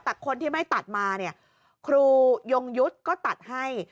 แต่คนที่ไม่ตัดมาเนี่ยครูยงยุทธ์ก็ตัดให้